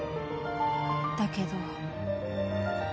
だけど。